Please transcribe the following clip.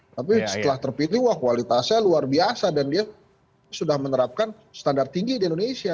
tapi setelah terpilih wah kualitasnya luar biasa dan dia sudah menerapkan standar tinggi di indonesia